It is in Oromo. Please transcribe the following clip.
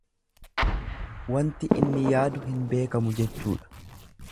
Wanti inni yaadu hin beekamu jechuudha.